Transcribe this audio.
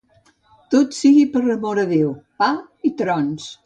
Tot sigui per amor de Déu: pa i trons.